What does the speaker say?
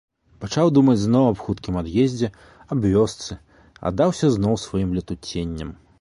Пачаў думаць зноў аб хуткім ад'ездзе, аб вёсцы, аддаўся зноў сваім летуценням.